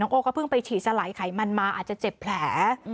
โอ้ก็เพิ่งไปฉีดสลายไขมันมาอาจจะเจ็บแผล